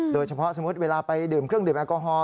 สมมุติเวลาไปดื่มเครื่องดื่มแอลกอฮอล